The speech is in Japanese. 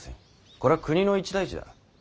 これは国の一大事だ。